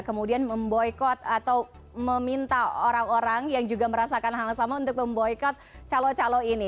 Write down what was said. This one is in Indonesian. kemudian memboykot atau meminta orang orang yang juga merasakan hal sama untuk memboykot calon calon ini